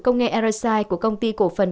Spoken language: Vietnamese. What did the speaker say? công nghệ aeroside của công ty cổ phần